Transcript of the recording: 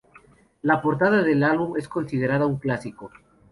La portada del álbum es considerada un clásico.